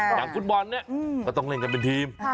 อย่างฟุตบอลเนี่ยก็ต้องเล่นกันเป็นทีม